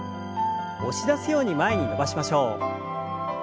押し出すように前に伸ばしましょう。